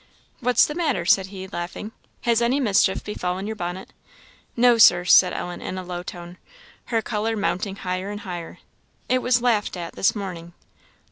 "What's the matter?" said he, laughing; "has any mischief befallen your bonnet?" "No, Sir," said Ellen, in a low tone, her colour mounting higher and higher "it was laughed at, this morning."